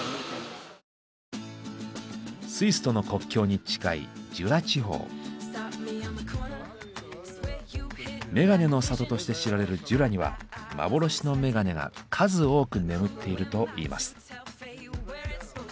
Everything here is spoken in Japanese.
スイスとの国境に近いメガネの里として知られるジュラには幻のメガネが数多く眠っているといいます。